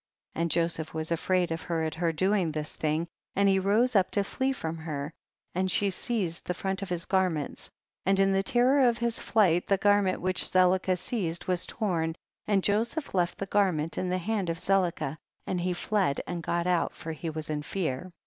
54. And Joseph was afraid of her at her doing this thing, and he rose up to flee from her, and she seized the front of his garments, and in the terror of his flight the garment which Zelicah seized was torn, and Joseph left the garment in the hand of Zeh cah, and he fled and got out, for he was in fear.